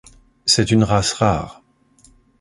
C'est une race rare.